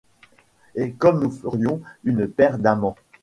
Et comme nous ferions une paire d'amants !